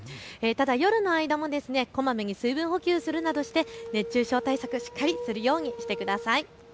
夜の間もこまめに水分補給するなどして熱中症対策、こまめにするようにしてください。